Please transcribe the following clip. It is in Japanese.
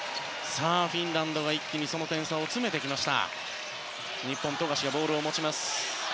フィンランドが一気にその点差を詰めてきました。